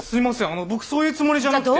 あの僕そういうつもりじゃなくて。